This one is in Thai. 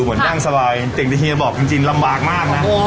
เหมือนดั่งสบายแต่ที่เฮียบอกจริงลำบากมากนะ